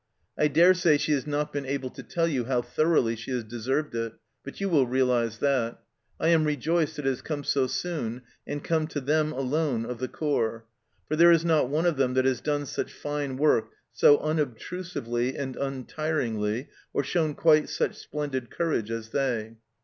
I dare say she has not been able to tell you how thoroughly she has deserved it ; but you will realize that. I am rejoiced that it has come so soon, and come to them alone of the corps, for there is not one of them that has done such fine work so unobtrusively and untiringly or shown quite such splendid courage as they.